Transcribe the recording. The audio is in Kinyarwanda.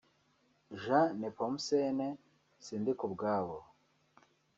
Jean Nepomuscène Sindikubwabo